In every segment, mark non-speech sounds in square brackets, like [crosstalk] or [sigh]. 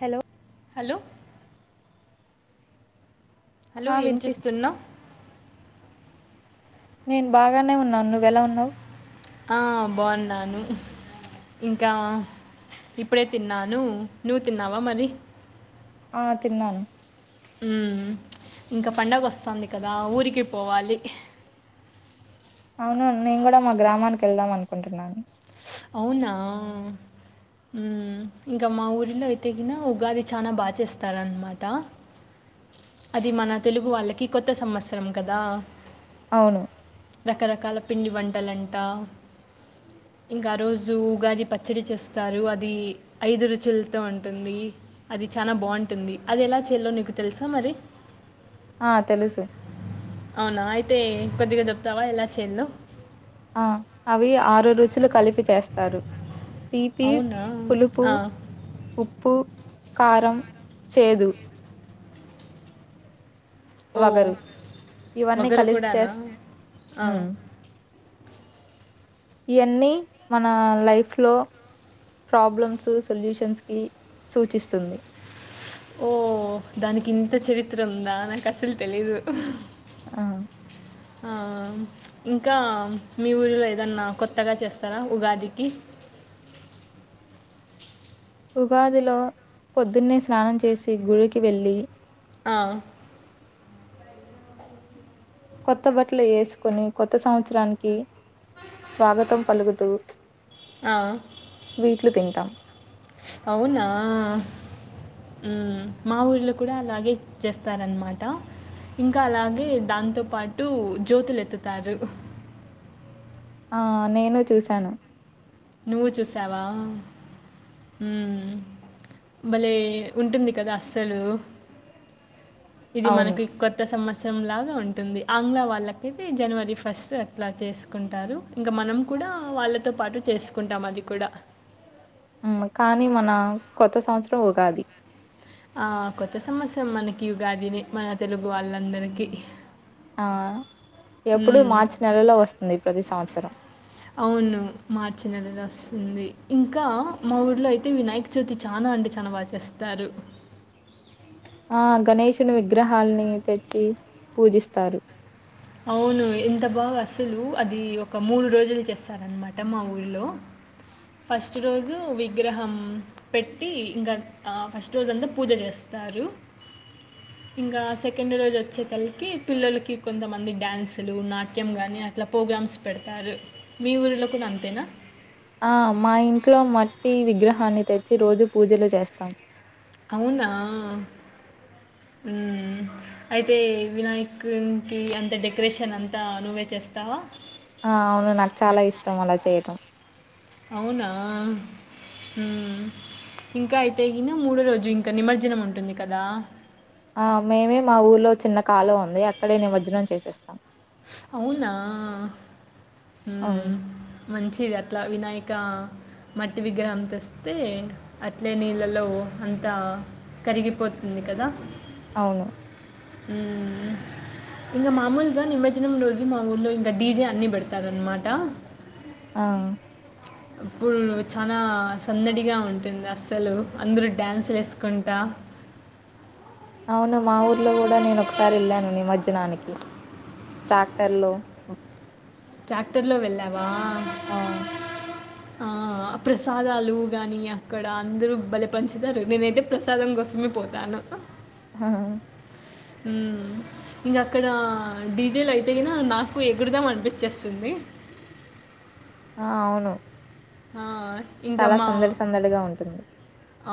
Hello లో hello ఆ ఏం వినిపిస్ చేస్తున్నావు నేను బాగానే ఉన్నాను నువ్వెలా ఉన్నావు్ బాగున్నాను ఇంకా ఇప్పుడే తిన్నాను నువ్వు తిన్నావా మరి ఆ తిన్నాను హ్మ్మ్ ఇంకా పండగ వస్తుంది కదా ఊరికి పోవాలి అవునవును నేను కూడా మా గ్రామానికి వెళ్దాం అనుకుంటున్నాను అవునా ఉ ఇంకా మా ఊరిలో అయితేగిన ఉగాది చనా బాగా చేస్తారనమాట అది మన తెలుగు వాళ్ళకి కొత్త సంవత్సరం కదా అవును రకరకాల పిండి వంటలంట ఇంకా ఆ రోజు ఉగాది పచ్చడి చేస్తారు అది ఐదు రుచులతో ఉంటుంది అది ది చాలా బాగుంటుంది అది ఎలా చెయలో నీకు తెలుసా మరి ఆ తెలుసు అవునా అయితే కొద్దిగా చెప్తావా ఎలా వచ్చిందో ఆ అవి ఆరు రుచులు కలిపి చేస్తారు తీపి అవునా పులుపు ఆ. ఉప్పు కారంం చేదు ఓ వగరు ఇవన్నీ ఒకరు కలిసి చే కూడానా ఆ. ఉహ్ ఇవన్నీ మన లైఫ్ లో ప్రాబ్లమ్స్ సొల్యూషన్స్ కి సూచిస్తుంది ఓ దానికి ఇంత చరిత్ర ఉందా నాకు అసలు తెలీదు ఆ ఇంకా మీ ఊరిలో ఏదన్నా కొత్తగా చేస్తారా ఉగాదికి ఉగాదిలో పొద్దున్నే స్నానం చేసి గుడికి వెళ్ళలి ఆహ్ కొత్త బట్టలు వేసుకొని కొత్త సంవత్సరానికి స్వాగతం పలుకుతూ ఆ, స్వీట్లు తింటాం అవునా ఉమ్ మా ఊర్లో కూడా అలాగే చేస్తారన్నమాట ఇంకా అలాగే దాంతో పాటు జ్యోతులేత్తుతారు ఆ నేను చూశాను నువ్వు చూసావా ఉమ్ భలే ఉంటుంది కదా అస్సలు ఇది అవును మనకు కొత్త సంవత్సరం లాగా ఉంటుంది ఆంగ్ల వాళ్ళకయితే జనవరి ఫస్ట్ అట్లా చేసుకుంటారు ఇంకా మనం కూడా వాళ్ళతో పాటు చేసుకుంటాం అది కూడా ఉమ్ కానీ మన కొత్త సంవత్సరం ఉగాది ఆ కొత్త సంవత్సరం మనకి ఉగాదినే మన తెలుగు వాళ్ళందరికీ ఆ ఎప్పుడు హ్మ్. మార్చి నెలలో వస్తుంది ప్రతి సంవత్సరం అవును మార్చి నెలల వస్తుంది ఇంకా మా ఊర్లో అయితే వినాయక చవితి చానా చానా అంటే చానా బాగా చేస్తారు ఆ గణేషుని విగ్రహాలని తెచ్చి పూజిస్తారు అవును ఎంత బాగా అసలు అది ఒక మూడు రోజులు చేస్తారనమాట మా ఊరిలో ఫస్ట్ రోజు విగ్రహం పెట్టి ఇంకా ఫస్ట్ రోజు అంతా పూజ చేస్తం చారు [unintelligible] ఇంకా సెకండ్ రోజు వచ్చే తల్లికి పిల్లలకి కొంతమంది నడాన్సులు నాట్యం గానీ అట్లా ప్రోగ్రామ్స్ పెడతారు మీ ఊళ్ళో ఆ మా ఇంట్లో మట్టి వి విగ్రహాన్ని తెచ్చి రోజు పూజలు చేస్తాం అవునా ఉమ్ అయితే వినాయకుకిి అంత డెకరేషన్ అంతా నువ్వే చేస్తావా ఆ అవును నాకు చాలా ఇష్టం అలా చేయటం అవునా ఉమ్ ఇంకా అయితే గిన మూడో రోజు ఇంకా నిమజ్జనం ఉంటుంది కదా ఆ మేమే మా ఊర్లో చిన్న కాలువ ఉంది అక్కడే నిమర్జనం చేసేస్తాం అవునా అవును ఉమ్ మంచిది అట్లా వినాయక్ ఇంకా మట్టి విగ్రహం తెస్తే అట్లే నీళ్ళలో అంత కరిగిపోతుంది కదా అవును హమ్ ఇంకా మామూలుగా నిమజ్జనం రోజు మా ఊర్లో ఇంకా డీజే అన్ని పెడతారున్నమాట ఆ అప్పుడు చాలా సందడిగా ఉంటుంది అస్సలు అందరూ డ్యాన్సులు ఎసుకుంటా అవును మా ఊర్లో కూడా నేను ఒకసారి వెళ్ళాను నిమర్జనానికి ట్రాక్టర్ లో ట్రాక్టర్ లో వెళ్ళావా ఆ ప్రసాదాలు కానీ అక్కడ అందరూ భలే పంచుతారు నేనైతే ప్రసాదం కోసమే పోతాను ఆహ ఉమ్ ఇంక అక్కడ డీజెల్ అయితే గినా నాకు ఎగురుదాం అనిపించేస్తుంది ఆ అవును ఆ ఇంకా చాలా మా సందడి సందడిగా ఉంటుంది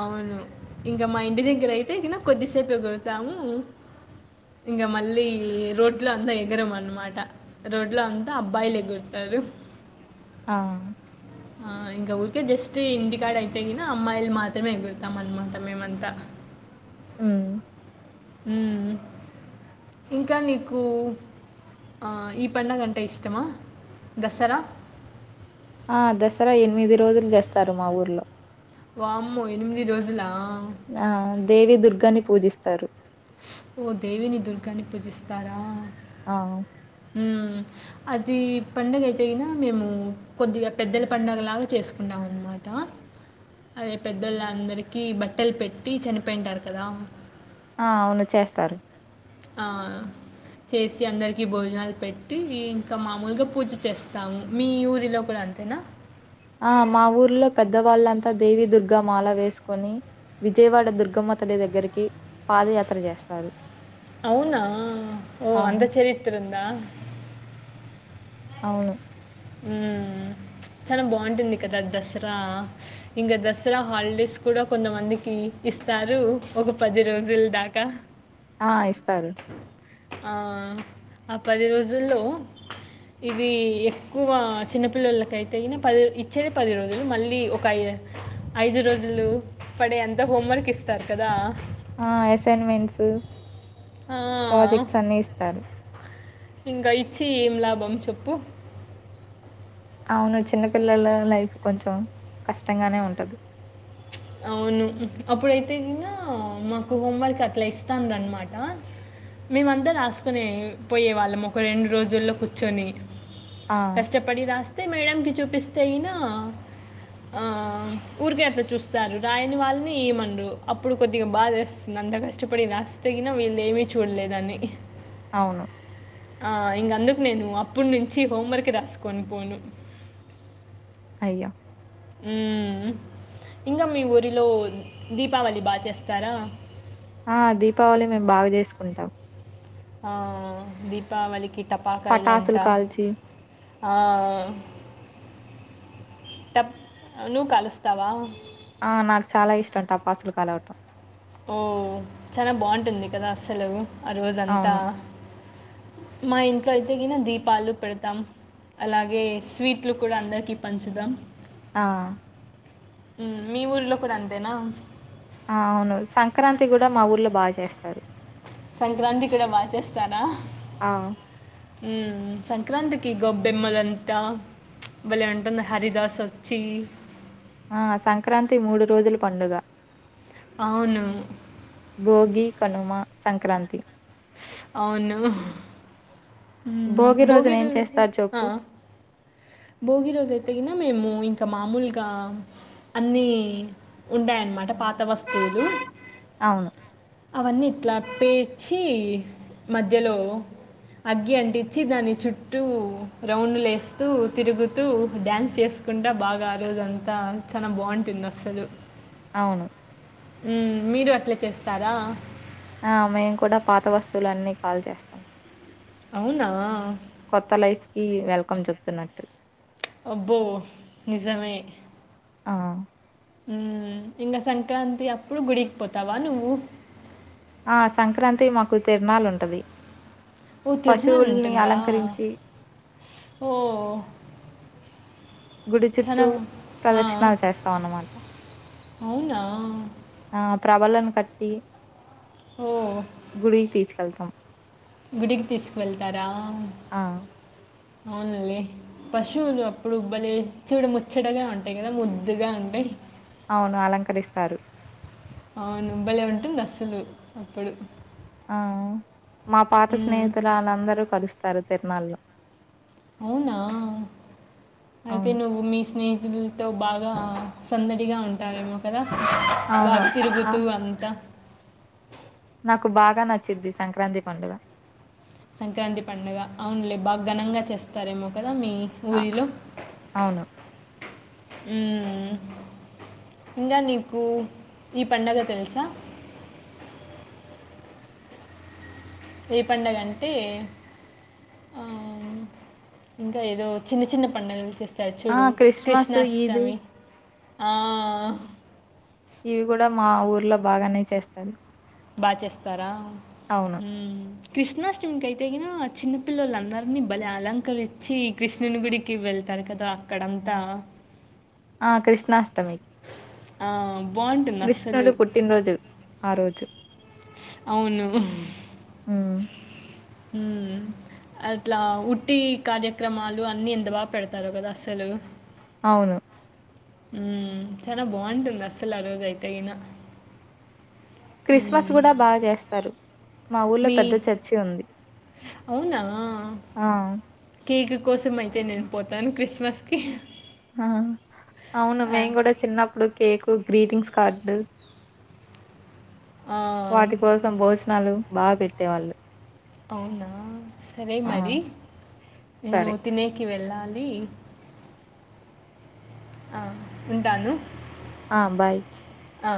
అవును ఇంకా మా ఇంటి దగ్గర అయితే గిన కొద్దిసేపు ఎగురుతాము ఇంకా మళ్ళీ రోడ్ లో అంతా ఎగరం అన్నమాట రోడ్ లో అంతా అబ్బాయిలు ఎగురతారు ఆ ఆ ఇంకా ఊరికే జస్ట్ ఇంటికాడ అయితే కిన అమ్మాయిలు మాత్రమే ఎగురుతాం అన్నమాట మేమంతా ఊ ఊ ఇంకా నీకు ఈ పండుగ అంటే ఇష్టమా దసరా ఆ దసరా ఎనిమిది రోజులు చేస్తారు మా ఊర్లో వామ్మో ఎనిమిది రోజులా ఆ దేవి దుర్గాని పూజిస్తారు ఓ దేవిని దుర్గాని పూజిస్తారా ఆ ఊ అది పండుగ అయితే గీన మేము కొద్దిగా పెద్దల పండగలాగా చేసుకుంటాం నావున్మట అదే పెద్దళ్ళ అందరిక బట్టలు పెట్టి చనిపోయింటారు కదా ఆ అవును చేస్తారు ఆ చేసి అందరికి భోజనాలు పెట్టి ఇంకా మామూలుగా పూజ చేస్తాము మీ ఊరిలో కూడా అంతేనా ఆ మా ఊర్లో పెద్దవాళ్ళంతా దేవి దుర్గా మాల వేసుకొని విజయవాడ దుర్గమ్మతలి దగ్గరికి పాదయాత్ర చేస్తారు అవునా ఓ అంత చెరిత్ర ఉందా అవును ఊ చాలా బాగుంటుంది కదా దసరా ఇంకా దసరా హాలిడేస్ కూడా కొంతమందికి ఇస్తారు ఒక పది రోజుల దాకా ఆ ఇస్తారు ఆ ఆ పది రోజుల్లో ఇది ఎక్కువ చిన్నపిల్లలకయితే గిన పది ఇచ్చేది పది రోజులు మళ్ళీ ఒక ఐదు ఐదు రోజులు పడే అంత హోంవర్క్ ఇస్తారు కదా ఆ అసైన్మెంట్స్ ప్రాజెక్ట్స్ అన్ని ఇస్తారు ఇంకా ఇచ్చి ఏం లాభం చెప్పు అవును చిన్నపిల్లల లైఫ్ కొంచెం కష్టంగానే ఉంటది అవును అప్పుడైతే ఇంకా మాకు హోంవర్క్ అట్లా ఇస్తాంరనమాట మేమంతా రాసుకునే పోయే వాళ్ళం ఒక రెండు రోజుల్లో కూర్చొని ఆ! కష్టపడి రాస్ తె మేడకి చూపిస్తే అయినా ఆ ఊరికె అట్ల చూస్ స్తారు రాయని వాళ్ళని ఏమనరు అప్పుడు కొద్దిగా బాదేస్తుంది అంత కష్టపడి రాస్తేగిన వీళ్లేమి చూడలేదని అవును ఆ ఇంకందుకు నేను అప్పుడు నుంచి హోంవర్క్ రాసుకొని పోను అయ్యో ఊ ఇంకా మీ ఊరిలో దీపావళి బాగా చేస్తారా ఆ దీపావళి మేము బాగా చేసుకుంటాం ఆ దీపావళికి టపాకాయాలంట పటాసులు కాల్చి ఆ ఆ టప్ నువ్వు కలుస్తావా ఆ నాకు చాలా ఇష్టం టపాసులు కలవట ఓ చాలా బాగుంటుంది కదా అస్సలు ఆ రోజంతా అవును. మా ఇంట్లో అయితే గిన దీపాలు పెడతాం అలాగే స్వీట్లు కూడా అందరికిీ పంచుదాం ఆ మీ ఊరిలో కూడా అంతేనా ఆ అవును సంక్రాంతి కూడా మా ఊర్లో బాగా చేస్తారు సంక్రాంతి కూడా బాగా చేస్తారా ఆ ఉ సంక్రాంతికి గబ్బెమ్మలంటా బలే ఉంటది హరిదాస్ వచ్చి ఆ సంక్రాంతి మూడు రోజుల పండుగ అవును బోగి, కనుమ, సంక్రాంతి అవును ఉమ్ భోగి రోజున ఏం రోజు చేస్తారు హా చెప్పు? భోగి రోజు అయితే గిన మేము ఇంకా మామూలుగా అన్ని ఉంటాయి అన్నమాట పా వస్తువులు అవును. అవన్నీ ఇట్లా పేర్చి మధ్యలో అగ్గి అంటించి దాన్ని చుట్టూ రౌండ్లు వేస్తూ తిరుగుతూ డ్యాన్స్ చేసుకున్ అ బాగా ఆ రోజంతా చాలా బాగుంటుంది అస్సలు అవును మీరు అట్లే చేస్తారా ఆ మేము కూడా పాత వస్తువులు అన్నీ కాల్చేస్తాం అవునా ఈ వెల్కమ్ చెప్తున్నట్టు అబ్బో నిజమే ఆ ఇంకా సంక్రాంతి అప్పుడు గుడికి పోతావా నువ్వు ఆ సంక్రాంతి మాకు తిరనాలుంటది ఓ తిరునాలుంటుందా ఓ గుడి చాలా చుట్టూ ఆ, ప్రదక్షిణలు చేస్తాం అన్నమాట అవునా వలను కట్టి ఓ గుడికి తీసుకెళ్తాం గుడికి తీసుకువెళ్తారా ఆ! అవునులే పశువులు అప్పుడు బలే చూడ ముచ్చటగా ఉంటాయి కదా ముద్దుగా ఉంటాయి అవును అలంకరిస్తారు ఇన్ అస్సలు అప్పుడు ఆ మా పాత ఉమ్, స్నేహితులు వాళ్ళందరూ కలుస్తారు తిర్నాల్లో అవునా అయితే అవును. నువ్వు మీ స్నేహితులుతో బా బా సందడిగా ఉంటారేమో కదా అవును. బాగా ఆ! తిరుగుతూ అంతా నాకు బాగా నచ్చిద్ది సంక్రాంతి పండుగ సంక్రాంతి పండగ అవునులే బాగా ఘనంగా చేస్తారేమో క దా మీ ఆ! ఊరిలో అవును. ఉహ్మ్ ఇంగా నీకు ఈ పండగ తెలుసా ఏ పండగ అంటే ఆహ్మ్ ఇంకా ఏదో చిన్న చిన్న పండగలు చేస్త అ ఆ! చుడు క్రిస్మస్, ఈద్ కృష్ణాష్టమి ఆ ఇవి కూడా మా ఊర్లో బాగానే చేస్తారు బా చేస్తారా అవును. హ్మ్ కృష్ణాష్టమికి అయితే గినా చిన్న పపిల్లలందరినీ భలే అలంకరిచ్చి కృష్ణుని గుడికి వెళ్త థారు కదా అక్కడంతా ఆ కృష్ణాష్టమి ఆమ్ కృష్ణుడు పుట్టినరోజు ఆరోజు అవును ఉహ్మ్ హ్మ్. ఊమ్ అట్లా ఉట్టి కార్యక్రమాలు అన్ని ఎంత బాగా పెడతారో గదా అసలు అవును ఊమ్ చాలా బావుంటుంది అస్సలు ఆ రోజు అయితేగీన క్రిస్మస్ గూడా బాగా చేస్తారు మా ఊర్లో మీ పెద్ద చర్చి ఉంది అవునా ఆ కేక్ కోసం అయితే నేను పోతను క్రిస్మస్‌కి ఆ అవును ఆ! మేము కూడా చిన్నప్పుడు కేకు గ్రీటింగ్స్ కార్డు ఆ! వాటి కోసం భోజనాలు బాగ పెట్టేవాళ్ళు అవునా సరే ఆ మరి నేను సరే తినేకి వెళ్ళా లి ఆ ఉంటాను ఆ బాయ్ అ